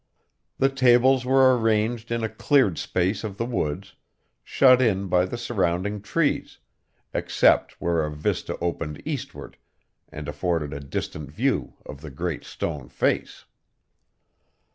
The tables were arranged in a cleared space of the woods, shut in by the surrounding trees, except where a vista opened eastward, and afforded a distant view of the Great Stone Face.